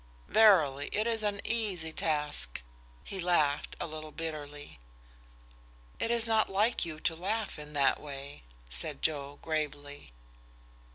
Verily, it is an easy task!" He laughed, a little bitterly. "It is not like you to laugh in that way," said Joe, gravely.